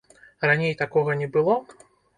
Раней такога не было?